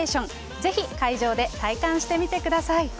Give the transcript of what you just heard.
ぜひ会場で体感してみてください。